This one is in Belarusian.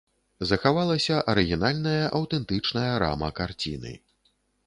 Захавалася арыгінальная аўтэнтычная рама карціны.